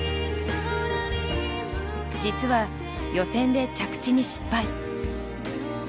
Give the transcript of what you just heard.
実は、予選で着地に失敗。